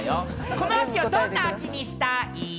この秋に、どんなことをしたい？